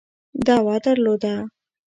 دعوه درلوده.